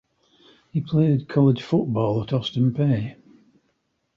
He played college football at Austin Peay.